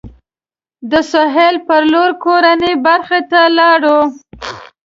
د سهیل پر لور کورنۍ برخې ته لاړو.